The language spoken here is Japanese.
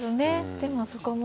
でもそこも。